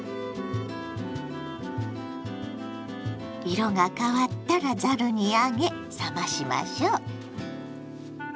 色が変わったらざるに上げ冷ましましょう。